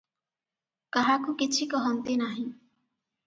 କାହାକୁ କିଛି କହନ୍ତି ନାହିଁ ।